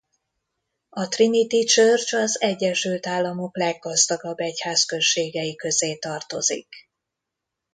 A Trinity Church az Egyesült Államok leggazdagabb egyházközségei közé tartozik.